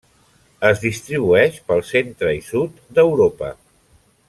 Es distribueix pel centre i sud d'Europa.